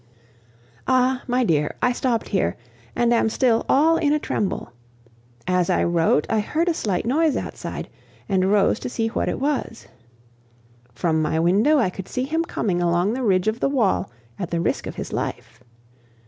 Ah! my dear, I stopped here, and I am still all in a tremble. As I wrote, I heard a slight noise outside, and rose to see what it was. From my window I could see him coming along the ridge of the wall at the risk of his life.